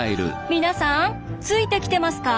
皆さんついてきてますか？